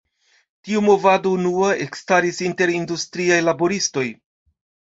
Tiu movado unua ekstaris inter industriaj laboristoj.